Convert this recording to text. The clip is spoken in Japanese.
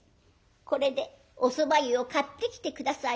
これでおそば湯を買ってきて下さいまし。